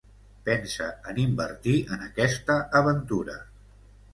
Pensa en invertir en aquesta aventura.